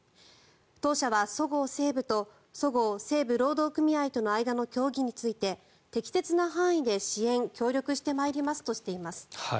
当社はそごう・西武とそごう・西武労働組合との間の協議について適切な範囲で支援・協力してまいりますと話しています。